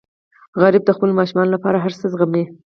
غریب د خپلو ماشومانو لپاره هر څه زغمي